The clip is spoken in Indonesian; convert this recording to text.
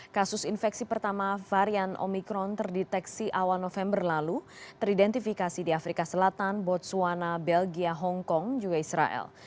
kasus infeksi pertama varian omikron terdeteksi awal november lalu teridentifikasi di afrika selatan botswana belgia hongkong juga israel